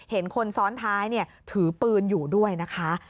เห็นคนซ้อนท้ายถือปืนอยู่ด้วยนะคะ